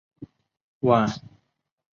万寿西宫现为西城区普查登记文物。